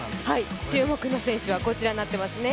注目の選手はこちらになっています。